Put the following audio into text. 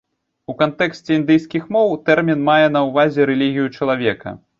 У кантэксце індыйскіх моў тэрмін мае на ўвазе рэлігію чалавека.